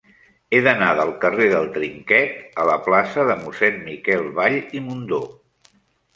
He d'anar del carrer del Trinquet a la plaça de Mossèn Miquel Vall i Mundó.